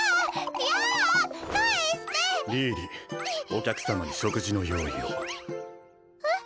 お客様に食事の用意をえっ？